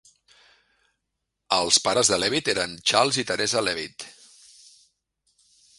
Els pares de Levitt eren Charles i Teresa Levitt.